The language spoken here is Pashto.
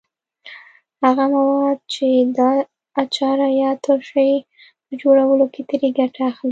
هغه مواد چې د اچار یا ترشۍ په جوړولو کې ترې ګټه اخلئ.